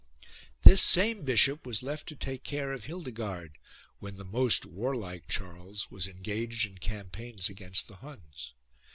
17. This same bishop was left to take care of Hildi gard, when the most warlike Charles was engaged in campaigns against the Huns.